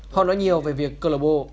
họ nói nhiều về việc club